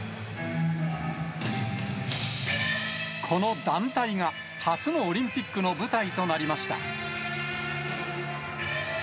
この団体が初のオリンピックの舞台となりました。